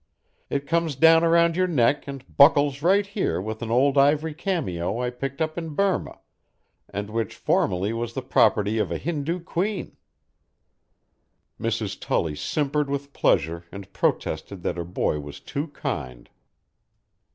It comes down around your neck and buckles right here with an old ivory cameo I picked up in Burma and which formerly was the property of a Hindu queen." Mrs. Tully simpered with pleasure and protested that her boy was too kind.